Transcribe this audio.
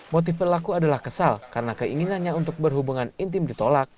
motif pelaku adalah kesal karena keinginannya untuk berhubungan intim ditolak